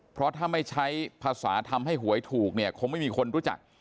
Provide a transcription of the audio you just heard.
เพราะถ้าไม่ใช้ภาษาทำให้หวยถูกเนี่ยคงไม่มีคนรู้จัก